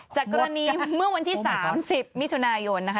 จากกรณีเมื่อวันที่๓๐มิถุนายนนะคะ